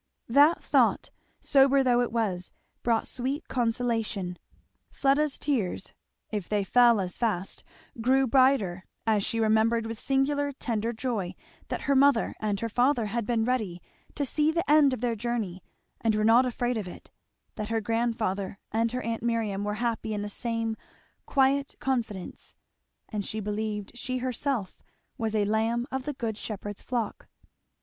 That thought, sober though it was, brought sweet consolation. Fleda's tears, if they fell as fast, grew brighter, as she remembered with singular tender joy that her mother and her father had been ready to see the end of their journey, and were not afraid of it, that her grandfather and her aunt Miriam were happy in the same quiet confidence and she believed she herself was a lamb of the Good Shepherd's flock.